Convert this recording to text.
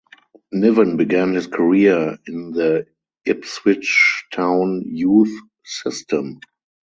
Niven began his career in the Ipswich Town youth system.